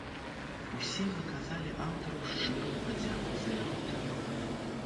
Усе выказалі аўтару шчырую падзяку за яго кнігу.